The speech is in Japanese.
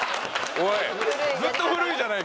おい！